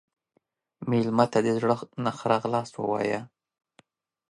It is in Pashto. مېلمه ته د زړه نه ښه راغلاست ووایه.